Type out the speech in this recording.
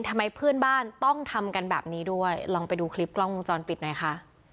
ทำไมเพื่อนบ้านต้องทำกันแบบนี้ด้วยลองไปดูคลิปกล้องวงจรปิดหน่อยค่ะ